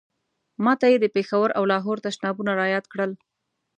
ما ته یې د پېښور او لاهور تشنابونه را یاد کړل.